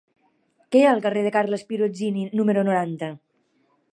Què hi ha al carrer de Carles Pirozzini número noranta?